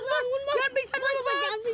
bos bos jangan bisa terlalu banyak